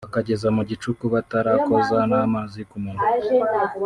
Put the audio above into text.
bakageza mu gicuku batarakoza n’amazi ku munwa